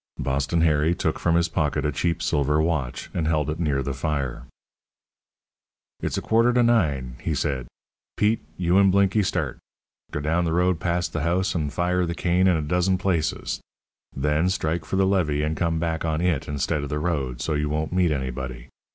Boston Harry took from his pocket a cheap silver watch, and held it near the fire. "It's a quarter to nine," he said. "Pete, you and Blinky start. Go down the road past the house, and fire the cane in a dozen places. Then strike for the levee, and come back on it, instead of the road, so you won't meet anybody.